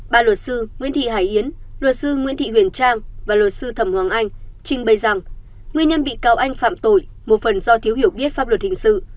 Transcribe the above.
ba luật sư nguyễn thị hải yến luật sư nguyễn thị huyền trang và luật sư thầm hoàng anh trình bày rằng nguyên nhân bị cáo anh phạm tội một phần do thiếu hiểu biết pháp luật hình sự